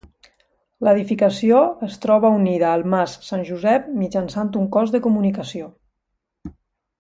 L'edificació es troba unida al mas Sant Josep mitjançant un cos de comunicació.